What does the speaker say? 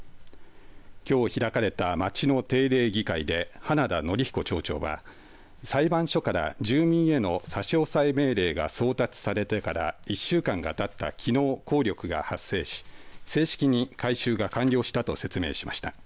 きょう開かれた、町の定例議会で花田憲彦町長は裁判所から住民への差押さえ命令が送達されてから１週間がたったきのう、効力が発生し正式に回収が完了したと説明しました。